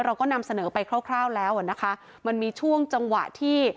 เราก็นำเสนอไปคร่าวแล้วอ่ะนะคะมันมีช่วงจังหวะที่